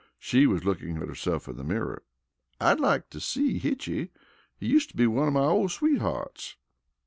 She was looking at herself in the mirror. "I'd like to seen Hitchie. He use to be one of my ole sweethearts."